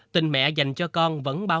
tình mẹ dành cho các con là một cách khác nhau